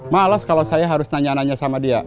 malas kalau saya harus nanya nanya sama dia